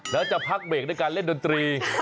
แล้วจะพักเบรกด้วยการเล่นดนตรี